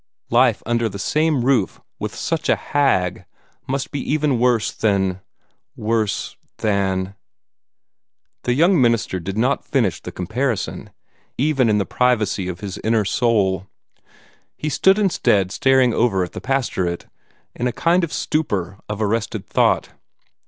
Life under the same roof with such a hag must be even worse than worse than The young minister did not finish the comparison, even in the privacy of his inner soul. He stood instead staring over at the pastorate, in a kind of stupor of arrested thought.